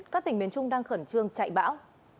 các tỉnh miền trung đang khẩn trương chạy bão